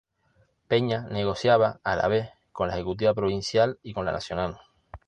Peña negociaba a la vez con la ejecutiva provincial y con la nacional.